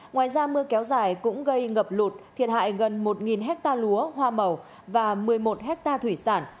ngoài ra mưa kéo dài cũng gây ngập lụt thiệt hại gần một hectare lúa hoa màu và một mươi một hectare thủy sản